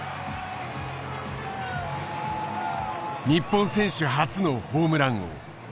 日本選手初のホームラン王。